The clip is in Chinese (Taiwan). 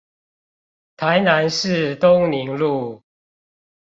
台南市東寧路